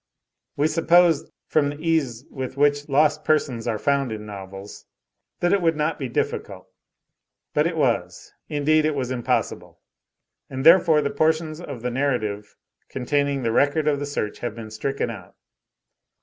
We supposed, from the ease with which lost persons are found in novels, that it would not be difficult. But it was; indeed, it was impossible; and therefore the portions of the narrative containing the record of the search have been stricken out.